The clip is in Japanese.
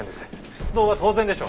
出動は当然でしょ。